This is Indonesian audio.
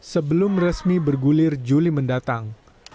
sebelum resmi bergulir juli mendatang